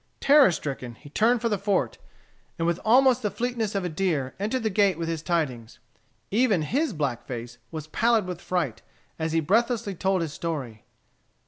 Terror stricken, he turned for the fort, and with almost the fleetness of a deer entered the gate with his tidings. Even his black face was pallid with fright, as he breathlessly told his story.